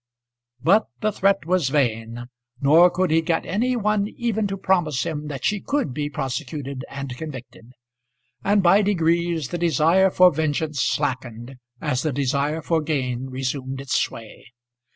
But the threat was vain; nor could he get any one even to promise him that she could be prosecuted and convicted. And by degrees the desire for vengeance slackened as the desire for gain resumed its sway.